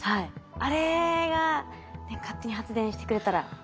あれが勝手に発電してくれたらいいですよね。